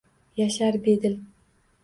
Yashar bedil